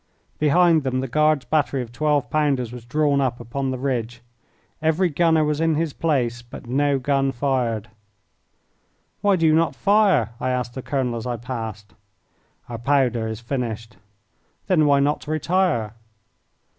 Behind them the Guard's battery of twelve pounders was drawn up upon the ridge. Every gunner was in his place, but no gun fired. "Why do you not fire?" I asked the colonel as I passed. "Our powder is finished." "Then why not retire?"